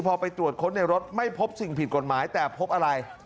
พอไปตรวจค้นในรถไม่พบสิ่งผิดกฎหมายแต่พบอะไร